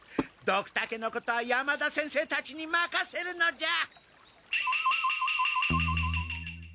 ドクタケのことは山田先生たちにまかせるのじゃ！